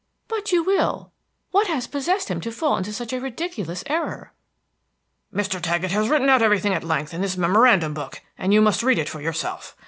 "But you will. What has possessed him to fall into such a ridiculous error?" "Mr. Taggett has written out everything at length in this memorandum book, and you must read it for yourself.